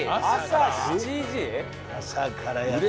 朝からやってんだ。